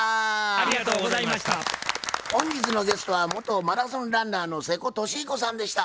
本日のゲストは元マラソンランナーの瀬古利彦さんでした。